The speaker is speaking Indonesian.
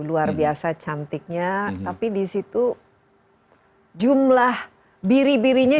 luar biasa cantiknya tapi di situ jumlah biri birinya